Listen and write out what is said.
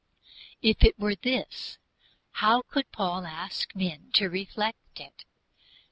If it were this, how could Paul ask men to reflect it?